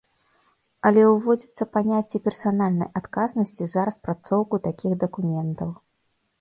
Але ўводзіцца паняцце персанальнай адказнасці за распрацоўку такіх дакументаў.